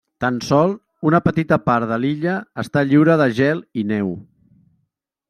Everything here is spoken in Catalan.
Tant sol una petita part de l'illa està lliure de gel i neu.